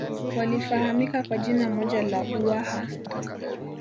walifahamika kwa jina moja la Uwaha